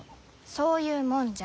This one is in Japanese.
そういうもんじゃ。